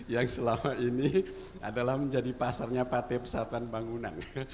yang selama ini adalah menjadi pasarnya partai persatuan bangunan